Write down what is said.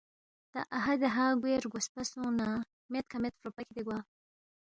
تا اَہا دہا گوئے رگوسپہ سونگنہ میدکھا مید فروفہ کھیدے گوا۔